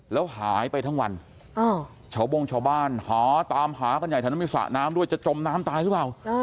แล้วหายไปทั้งวันชาวบงชาวบ้านหาตามหากันใหญ่แถวนั้นมีสระน้ำด้วยจะจมน้ำตายหรือเปล่า